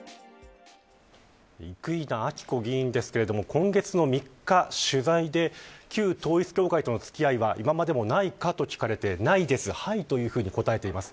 生稲晃子議員ですが今月の３日取材で旧統一教会との付き合いは今までもないかと聞かれてないです、はいと答えています。